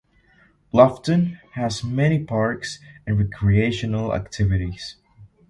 Bluffton has many parks and recreational activities.